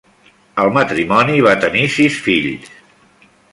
El matrimoni va tenir sis fills.